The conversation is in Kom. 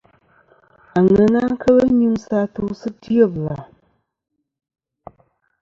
Aŋena kel nyuŋsɨ atu sɨ dyebla.